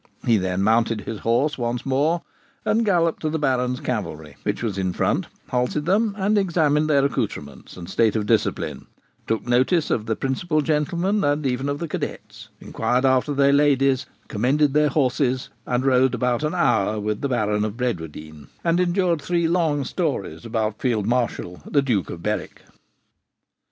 He then mounted his horse once more, and galloped to the Baron's cavalry, which was in front, halted them, and examined their accoutrements and state of discipline; took notice of the principal gentlemen, and even of the cadets; inquired after their ladies, and commended their horses; rode about an hour with the Baron of Bradwardine, and endured three long stories about Field Marshal the Duke of Berwick.